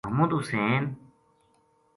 محمد حسین